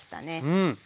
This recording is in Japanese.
うん！